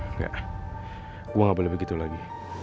enggak gue gak boleh begitu lagi